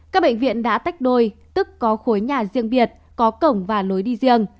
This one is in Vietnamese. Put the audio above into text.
các bệnh viện đã tách đôi tức có khối nhà riêng biệt có cổng và lối đi riêng